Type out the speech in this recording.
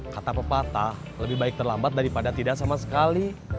kata pepatah lebih baik terlambat daripada tidak sama sekali